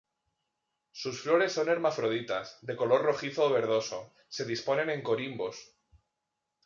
Sus flores son hermafroditas, de color rojizo o verdoso, se disponen en corimbos.